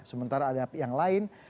sementara ada yang lain